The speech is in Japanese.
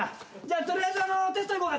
取りあえずテストいこうか。